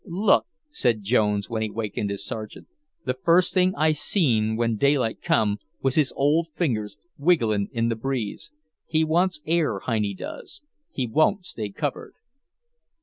"Look," said Jones when he wakened his Sergeant. "The first thing I seen when daylight come was his old fingers, wigglin' in the breeze. He wants air, Heinie does; he won't stay covered."